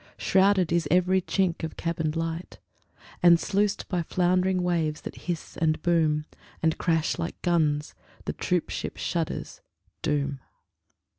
Shrouded is every chink of cabined light: And sluiced by floundering waves that hiss and boom And crash like guns, the troop ship shudders ... doom.